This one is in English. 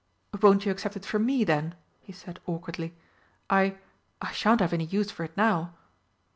"Won't you accept it from me, then?" he said awkwardly. "I I shan't have any use for it now."